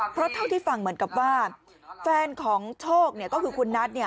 เพราะเท่าที่ฟังเหมือนกับว่าแฟนของโชคเนี่ยก็คือคุณนัทเนี่ย